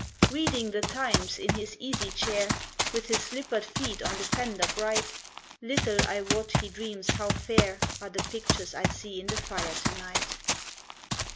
Reading the "Times" in his easy chair, With his slippered feet on the fender bright, Little, I wot, he dreams how fair Are the pictures I see in the fire to night.